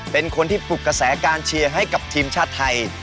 เป็นคนที่ปลุกกระแสการเชียร์ให้กับทีมชาติไทย